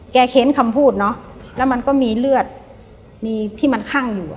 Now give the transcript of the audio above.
เค้นคำพูดเนอะแล้วมันก็มีเลือดมีที่มันคั่งอยู่อ่ะ